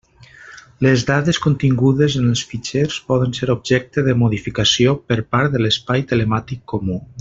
Les dades contingudes en els fitxers poden ser objecte de modificació per part de l'Espai Telemàtic Comú.